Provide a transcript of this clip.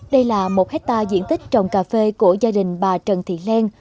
đây là một hectare diện tích trồng cà phê của gia đình bà trần thị len